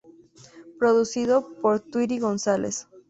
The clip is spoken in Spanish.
Producido por Tweety González.